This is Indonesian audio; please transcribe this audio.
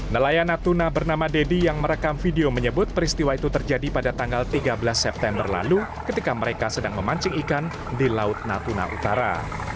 nelayan natuna bernama deddy yang merekam video menyebut peristiwa itu terjadi pada tanggal tiga belas september lalu ketika mereka sedang memancing ikan di laut natuna utara